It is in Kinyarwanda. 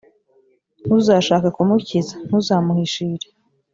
ntuzashake kumukiza, ntuzamuhishire;